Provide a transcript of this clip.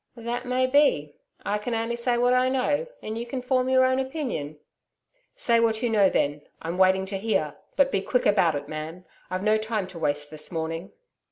'That may be I can only say what I know, and you can form your own opinion.' 'Say what you know then I'm waiting to hear. But be quick about it, man, I've no time to waste this morning.'